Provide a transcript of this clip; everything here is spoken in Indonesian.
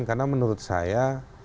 karena menurut saya